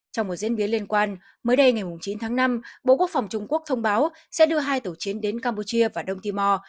trong một diễn biến liên quan mới đây ngày chín tháng năm bộ quốc phòng trung quốc thông báo sẽ đưa hai tàu chiến đến campuchia và đông timor